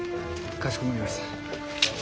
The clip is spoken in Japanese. かしこまりました。